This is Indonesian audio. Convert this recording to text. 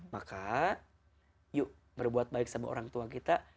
maka yuk berbuat baik sama orang tua kita